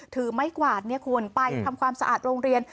ถือไม้กวาดไปทำความสะอาดโรงเรียน